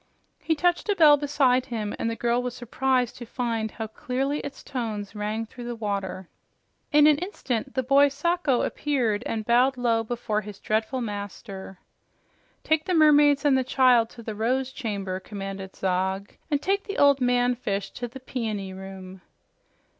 He touched a bell beside him, and the girl was surprised to find how clearly its tones rang out through the water. In an instant the boy Sacho appeared and bowed low before his dreadful master. "Take the mermaids and the child to the Rose Chamber," commanded Zog, "and take the old man fish to the Peony Room."